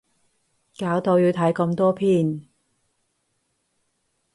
搞到要睇咁多篇